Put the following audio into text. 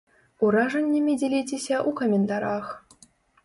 Уражаннямі дзяліцеся ў каментарах.